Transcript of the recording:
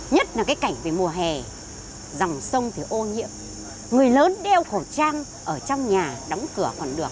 nhất là cái cảnh về mùa hè dòng sông thì ô nhiễm người lớn đeo khẩu trang ở trong nhà đóng cửa còn được